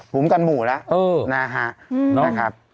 ภูมิกันหมู่ละนะครับ